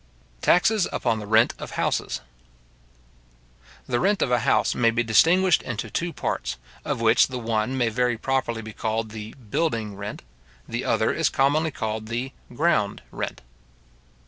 Taxes upon the Rent of Houses. The rent of a house may be distinguished into two parts, of which the one may very properly be called the building rent; the other is commonly called the ground rent.